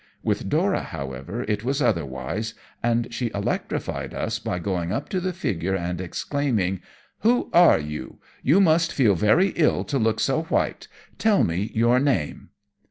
With Dora, however, it was otherwise, and she electrified us by going up to the figure, and exclaiming: "Who are you? You must feel very ill to look so white. Tell me your name."